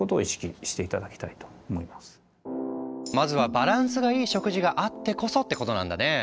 まずはバランスがいい食事があってこそってことなんだね。